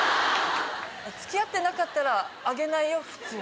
付き合ってなかったらあげないよ普通。